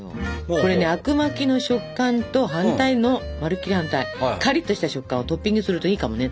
これねあくまきの食感と反対のまるっきり反対カリッとした食感をトッピングするといいかもねと思って。